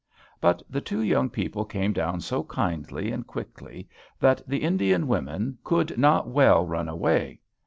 But the two young people came down so kindly and quickly, that the Indian women could not well run away.